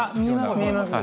見えます。